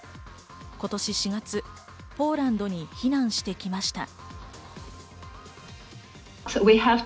今年４月、ポーランドに避難してきました。